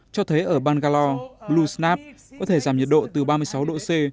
cho thấy ở bangalore blue snap có thể giảm nhiệt độ từ ba mươi sáu độ c